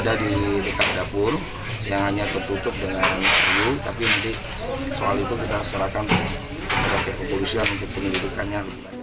ada di dekat dapur yang hanya tertutup dengan hiu tapi nanti soal itu kita serahkan kepada kepolisian untuk penyelidikannya